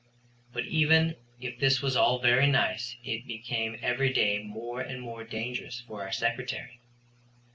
But even if this was all very nice it became every day more and more dangerous for our Secretary.